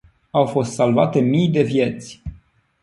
Au fost salvate mii de vieți.